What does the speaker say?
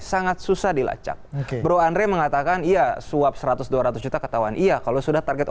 sangat susah dilacak bro andre mengatakan iya suap seratus dua ratus juta ketahuan iya kalau sudah targetnya